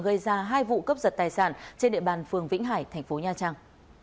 gây ra hai vụ cấp giật tài sản trên địa bàn phường vĩnh hải tp nha trang